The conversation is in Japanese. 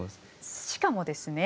しかもですね